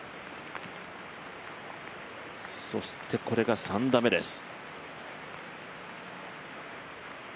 そしてこれが３打目です。